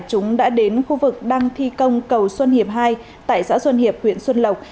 chúng đã đến khu vực đăng thi công cầu xuân hiệp ii tại xã xuân hiệp huyện xuân lộc